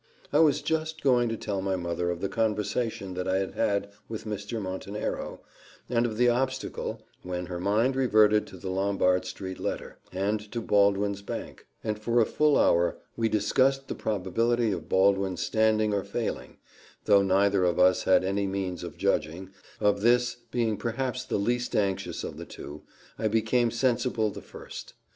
I was just going to tell my mother of the conversation that I had had with Mr. Montenero, and of the obstacle, when her mind reverted to the Lombard street letter, and to Baldwin's bank; and for a full hour we discussed the probability of Baldwin's standing or failing, though neither of us had any means of judging of this, being perhaps the least anxious of the two, I became sensible the first.